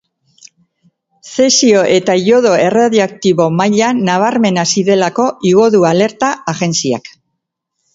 Zesio eta iodo erradioaktibo maila nabarmen hazi delako igo du alerta agentziak.